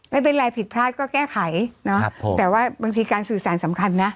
ไม่เป็นไรผิดพลาดก็แก้ไขเนาะแต่ว่าบางทีการสื่อสารสำคัญนะ